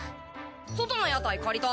外の屋台借りた。